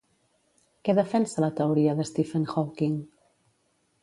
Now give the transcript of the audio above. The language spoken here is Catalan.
Què defensa la teoria de Stephen Hawking?